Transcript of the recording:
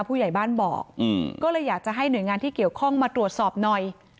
ผู้ใหญ่บ้านบอกก็เลยอยากจะให้หน่วยงานที่เกี่ยวข้องมาตรวจสอบหน่อย